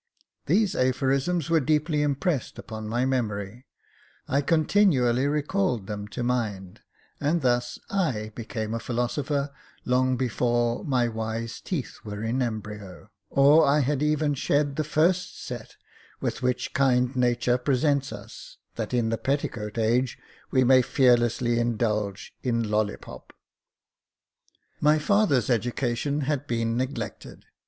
These aphorisms were deeply impressed upon my memory j I continually recalled them to mind, and thus I became a philosopher long before my wise teeth were in embryo, or I had even shed the first set with which kind Nature presents us, that in the petticoat age we may fearlessly indulge in lollipop. My father's education had been neglected.